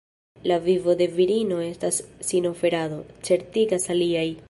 La vivo de virino estas sinoferado, certigas aliaj.